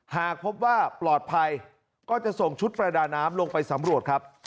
หากพบว่าปลอดภัยก็จะส่งชุดประดาน้ำลงไปสำรวจครับ